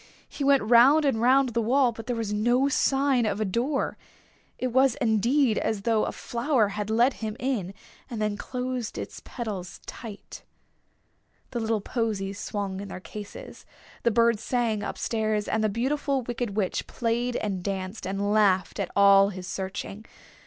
He went round and round the wall, but there was no sign of a door. It was indeed as though a flower had let him in and then closed its petals tight. The little posies swung in their cases, the bird sang up stairs, and the Beautiful Wicked Witch played and danced, and laughed at all his searching.